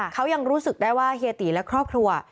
เขายังรู้สึกได้ว่าเฮียตีและครอบครัว